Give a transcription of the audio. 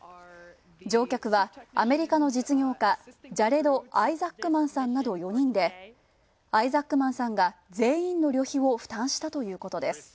乗客はアメリカの実業家ジャレド・アイザックマンさんなど４人でアイザックマンさんら全員の旅費を負担したということです。